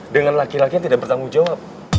dengan laki laki yang tidak bertanggung jawab